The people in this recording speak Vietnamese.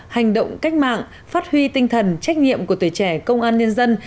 hành động cách mạng phát huy tinh thần trách nhiệm của tuổi trẻ công an nhân dân